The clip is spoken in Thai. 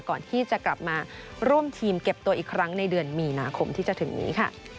ก่อนที่จะกลับมาร่วมทีมเก็บตัวอีกครั้งในเดือนมีนาคมที่จะถึงนี้ค่ะ